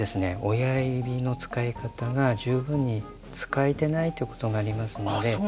親指の使い方が十分に使えてないということがありますので。